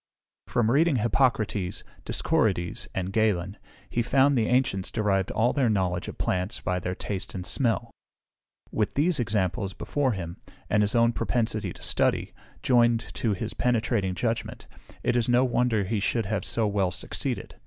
From reading Hippocrates, Discorides, and Galen, he found the ancients derived all their knowledge of plants by their taste and smell. With these examples before him, and his own propensity to study, joined to his penetrating judgement, it is no wonder he should have so well succeeded.